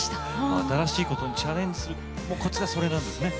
新しいことにチャレンジするコツがそれなんですね。